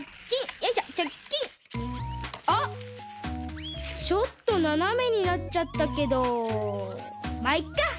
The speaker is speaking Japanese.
あっちょっとななめになっちゃったけどまあいっか。